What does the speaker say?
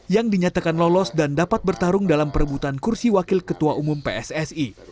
yang dinyatakan lolos dan dapat bertarung dalam perebutan kursi wakil ketua umum pssi